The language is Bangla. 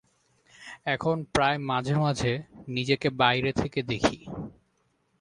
এখন প্রায় মাঝে-মাঝে নিজেকে বাইরে থেকে দেখি।